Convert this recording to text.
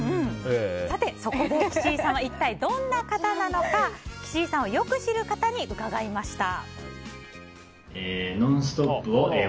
さて、そこで岸井さんは一体どんな方なのか岸井さんをよく知る方に伺いました。